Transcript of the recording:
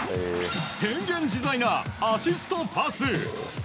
変幻自在なアシストパス。